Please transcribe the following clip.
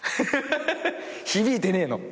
響いてねえの。